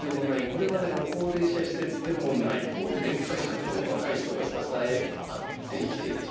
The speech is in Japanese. これまでの高齢者施設でもない年配者と若い人が支え合って生きているというそういう場。